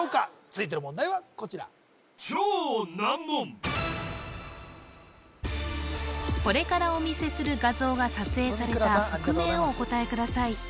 続いての問題はこちらこれからお見せする画像が撮影された国名をお答えください